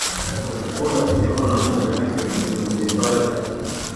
Gukora imibonano mpuzabitsina byongerera imbaraga